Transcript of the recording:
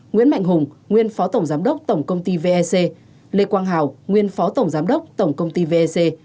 nguyễn mạnh hùng nguyên phó tổng giám đốc tổng công ty vec lê quang hào nguyên phó tổng giám đốc tổng công ty vec